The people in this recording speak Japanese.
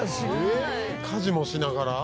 ええ家事もしながら？